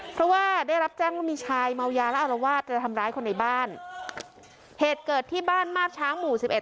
เพราะว่าได้รับแจ้งว่ามีชายเมายาและอารวาสจะทำร้ายคนในบ้านเหตุเกิดที่บ้านมาบช้างหมู่สิบเอ็